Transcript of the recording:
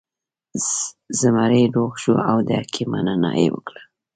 زمری روغ شو او د حکیم مننه یې وکړه.